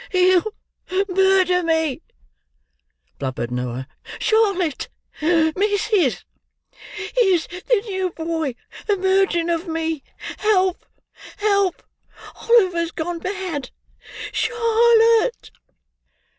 "He'll murder me!" blubbered Noah. "Charlotte! missis! Here's the new boy a murdering of me! Help! help! Oliver's gone mad! Char—lotte!"